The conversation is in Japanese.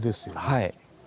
はい。